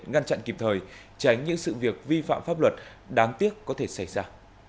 ngăn chặn kịp thời tránh những sự việc vi phạm pháp luật đáng tiếc có thể xảy ra